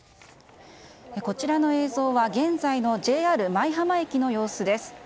こちらの映像は現在のＪＲ舞浜駅の様子です。